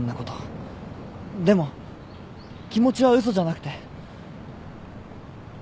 でも気持ちは嘘じゃなくて。